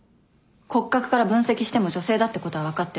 骨格から分析しても女性だってことは分かってる。